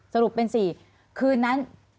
สรุปเป็น๔คืนนั้น